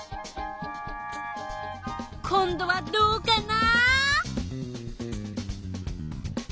今度はどうかな？